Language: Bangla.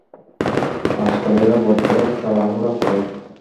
আজকাল এরা বড্ড তাড়াহুড়া করে।